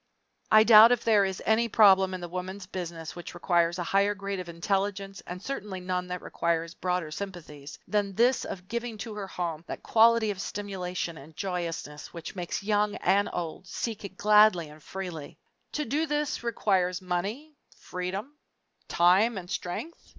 I doubt if there is any problem in the Woman's Business which requires a higher grade of intelligence, and certainly none that requires broader sympathies, than this of giving to her home that quality of stimulation and joyousness which makes young and old seek it gladly and freely. To do this requires money, freedom, time, and strength?